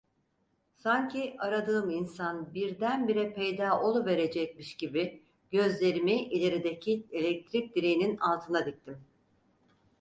Sanki aradığım insan birdenbire peyda oluverecekmiş gibi gözlerimi ilerideki elektrik direğinin altına diktim.